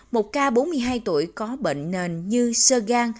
một ca bốn mươi hai tuổi có bệnh nền như sơ gan